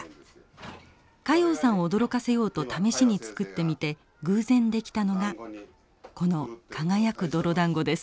加用さんを驚かせようと試しに作ってみて偶然出来たのがこの輝く泥だんごです。